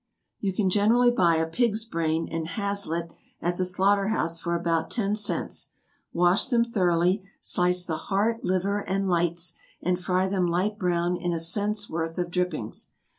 = You can generally buy a pig's brain and haslet at the slaughter house for about ten cents; wash them thoroughly; slice the heart, liver, and lights, and fry them light brown in a cents' worth of drippings.